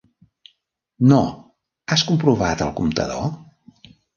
No, has comprovat el comptador?